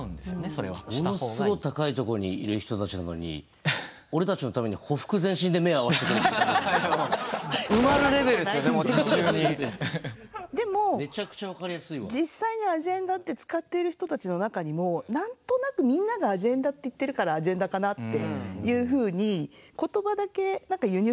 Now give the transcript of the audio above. それは。ものっすごい高いとこにいる人たちなのに俺たちのためにでも実際にアジェンダって使っている人たちの中にも何となくみんながアジェンダって言っているからアジェンダかなっていうふうにへえ。